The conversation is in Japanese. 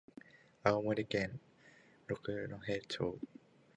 青森県六戸町